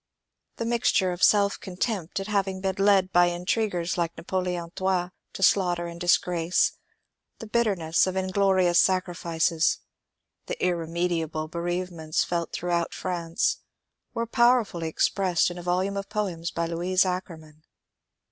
The mixture of self contempt at having been led by intriguers like Napoleon III to slaughter and disgrace, the bitterness of inglorious sacrifices, the irremediable bereavements felt throughout France, were powerfully expressed in a volume of poems by Louise Ackermann.